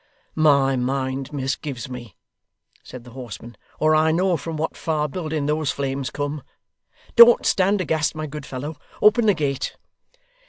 'My mind misgives me,' said the horseman, 'or I know from what far building those flames come. Don't stand aghast, my good fellow. Open the gate!